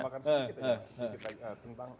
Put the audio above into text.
apakah sebut kita tentang pdip